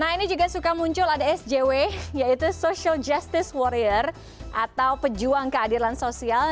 nah ini juga suka muncul ada sjw yaitu social justice warrior atau pejuang keadilan sosial